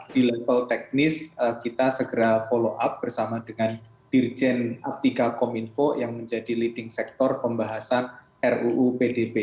di level teknis kita segera follow up bersama dengan dirjen aptika kominfo yang menjadi leading sector pembahasan ruu pdb